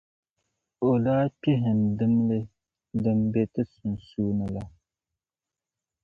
o daa kpihim dimli din be ti sunsuuni la.